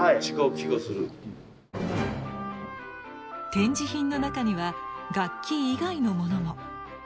展示品の中には楽器以外のものも。